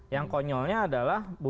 yang konyolnya adalah